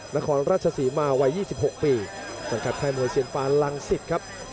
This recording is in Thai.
นครราชศรีมาวัย๒๖ปีสังกัดค่ายมวยเซียนฟานลังศิษย์ครับ